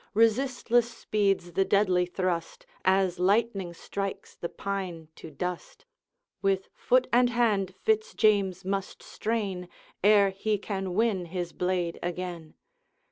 Resistless speeds the deadly thrust, As lightning strikes the pine to dust; With foot and hand Fitz James must strain Ere he can win his blade again.